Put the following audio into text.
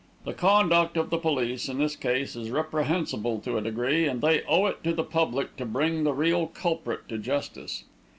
"The conduct of the police in this case is reprehensible to a degree, and they owe it to the public to bring the real culprit to justice."